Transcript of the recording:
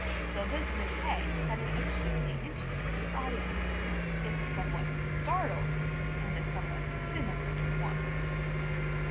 So this Mackay had an acutely interested audience, if a somewhat startled, and a somewhat cynical, one.